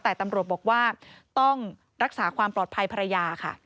แต่ตำรวจบอกว่าต้องรักษาความปลอดภัยภรรยาค่ะ